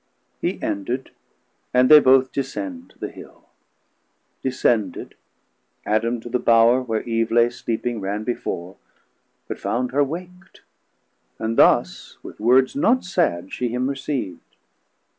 He ended, and they both descend the Hill; Descended, Adam to the Bowre where Eve Lay sleeping ran before, but found her wak't; And thus with words not sad she him receav'd.